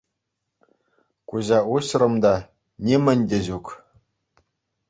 Куҫа уҫрӑм та — нимӗн те ҫук.